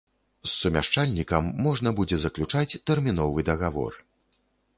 З сумяшчальнікам можна будзе заключаць тэрміновы дагавор.